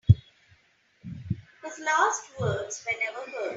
His last words were never heard.